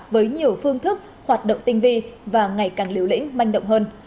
với nhiều phương thức hoạt động tinh vi và ngày càng liều lĩnh manh động hơn